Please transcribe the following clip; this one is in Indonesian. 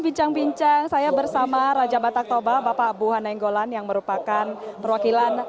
bincang bincang saya bersama raja batak toba bapak buha nainggolan yang merupakan perwakilan